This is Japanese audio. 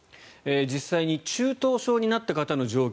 実際に中等症になった方の状況